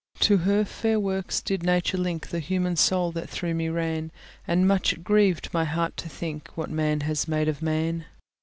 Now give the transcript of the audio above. To her fair works did Nature link The human soul that through me ran; And much it grieved my heart to think What man has made of man.